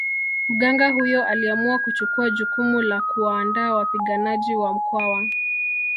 Mganga huyo aliamua kuchukua jukumu la kuwaandaa wapiganaji wa Mkwawa